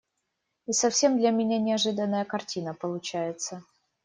И совсем для меня неожиданная картина получается.